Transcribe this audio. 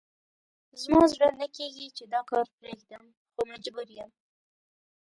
زما زړه نه کېږي چې دا کار پرېږدم، خو مجبور یم.